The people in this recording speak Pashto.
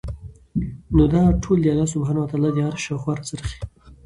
نو دا ټول د الله سبحانه وتعالی د عرش شاوخوا راڅرخي